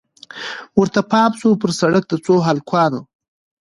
ورته پام سو پر سړک د څو هلکانو